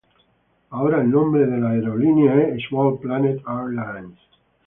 Ahora el nombre de la aerolínea es Small Planet Airlines.